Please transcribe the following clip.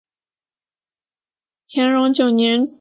乾隆九年卒。